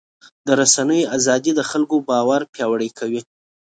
د رسنیو ازادي د خلکو باور پیاوړی کوي.